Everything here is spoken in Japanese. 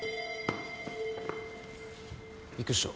行くっしょ？